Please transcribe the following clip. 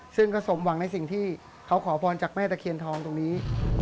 ซึ่งก็สมหวังในสิ่งที่เขาขอพรจากแม่ตะเคียนทองตรงนี้